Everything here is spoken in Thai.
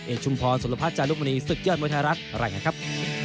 เอกชุมพรสุรพัชย์จารุมณีศึกเยิ่นมวยธรรมรัฐแหล่งนะครับ